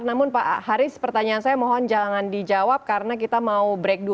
namun pak haris pertanyaan saya mohon jangan dijawab karena kita mau break dulu